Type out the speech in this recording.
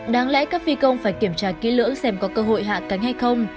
đáng lẽ các phi công phải kiểm tra kỹ lưỡng xem có cơ hội hạ cánh hay không